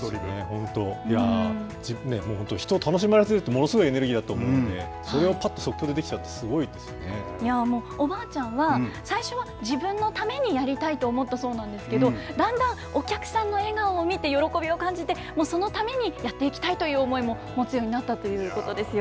本当、もう本当、人を楽しませるって、ものすごいエネルギーだと思うので、それをぱっと即興でできちゃうって、もう、おばあちゃんは、最初は自分のためにやりたいと思ったそうなんですけど、だんだんお客さんの笑顔を見て喜びを感じて、もうそのためにやっていきたいという思いも持つようになったということですよ。